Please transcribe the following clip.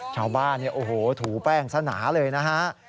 ชาวบ้านถูแป้งสะหนาเลยนะฮะ